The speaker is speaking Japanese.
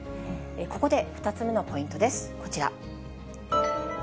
ここで２つ目のポイントです。